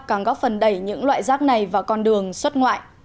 càng góp phần đẩy những loại rác này vào con đường xuất ngoại